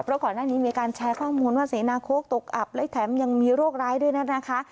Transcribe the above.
เพราะก่อนหน้านี้มีการแชร์ข้อมูลว่าเสนาโค้กตกอับและแถมยังมีโรคร้ายด้วยนะคะ